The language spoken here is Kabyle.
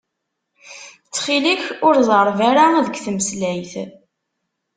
Ttxil-k, ur zerreb ara deg tmeslayt.